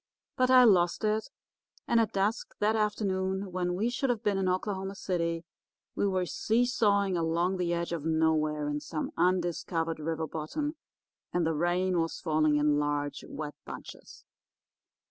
But I lost it, and at dusk that afternoon, when we should have been in Oklahoma City, we were seesawing along the edge of nowhere in some undiscovered river bottom, and the rain was falling in large, wet bunches.